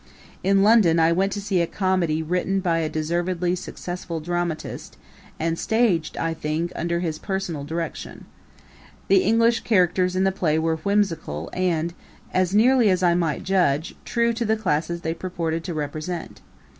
In London I went to see a comedy written by a deservedly successful dramatist, and staged, I think, under his personal direction. The English characters in the play were whimsical and, as nearly as I might judge, true to the classes they purported to represent.